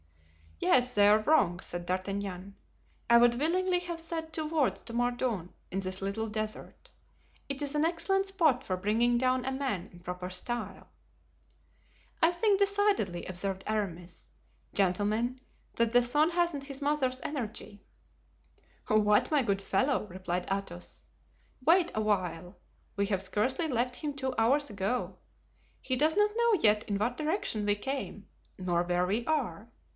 "Yes, they are wrong," said D'Artagnan. "I would willingly have said two words to Mordaunt in this little desert. It is an excellent spot for bringing down a man in proper style." "I think, decidedly," observed Aramis, "gentlemen, that the son hasn't his mother's energy." "What, my good fellow!" replied Athos, "wait awhile; we have scarcely left him two hours ago—he does not know yet in what direction we came nor where we are.